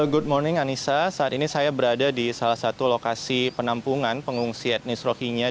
good morning anissa saat ini saya berada di salah satu lokasi penampungan pengungsi etnis rohinya